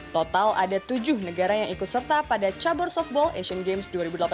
total ada tujuh negara yang ikut serta pada cabur softball asian games dua ribu delapan belas